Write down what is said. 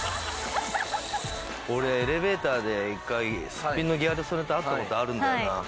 俺エレベーターで１回すっぴんのギャル曽根と会った事あるんだよな。